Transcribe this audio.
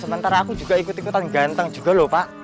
sementara aku juga ikut ikutan ganteng juga loh pak